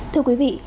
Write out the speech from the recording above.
thưa quý vị